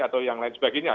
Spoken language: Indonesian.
atau yang lain sebagainya